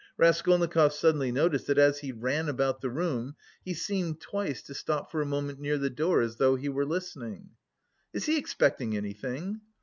Raskolnikov suddenly noticed that as he ran about the room he seemed twice to stop for a moment near the door, as though he were listening. "Is he expecting anything?"